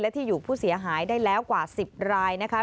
ที่อยู่ผู้เสียหายได้แล้วกว่า๑๐รายนะคะ